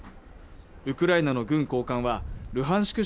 ウクライナの軍高官はルハンシク